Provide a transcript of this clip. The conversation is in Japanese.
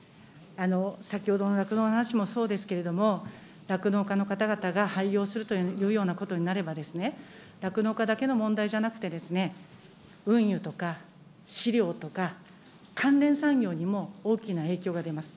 先ほどの酪農の話もそうですけれども、酪農家の方々が廃業するというようなことになれば、酪農家だけの問題じゃなくて、運輸とか飼料とか、関連産業にも大きな影響が出ます。